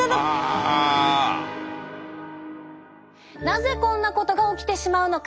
なぜこんなことが起きてしまうのか。